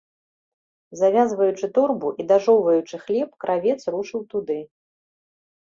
Завязваючы торбу і дажоўваючы хлеб, кравец рушыў туды.